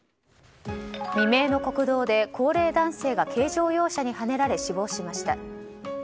未明の国道で高齢男性が軽乗用車にはねられ死亡しました。